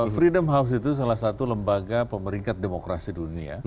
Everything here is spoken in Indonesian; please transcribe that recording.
freedom house itu salah satu lembaga pemeringkat demokrasi dunia